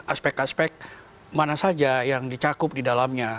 aspek aspek mana saja yang dicakup di dalamnya